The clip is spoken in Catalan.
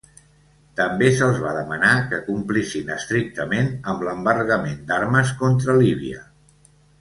També se'ls va demanar que complissin estrictament amb l'embargament d'armes contra Líbia.